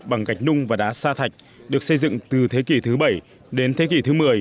bằng gạch nung và đá sa thạch được xây dựng từ thế kỷ thứ bảy đến thế kỷ thứ một mươi